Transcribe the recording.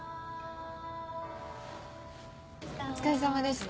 お疲れさまでした。